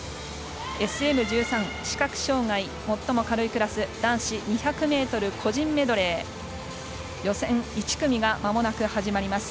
ＳＭ１３、視覚障がい最も軽いクラス男子２００ｍ個人メドレー予選１組が、まもなく始まります。